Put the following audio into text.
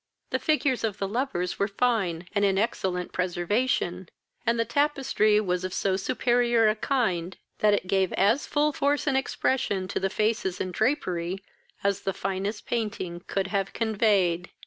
The figures of the lovers were fine, and in excellent preservation, and the tapestry was of so superior a kind, that it gave as full force and expression to the faces and drapery as the finest painting could have conveyed.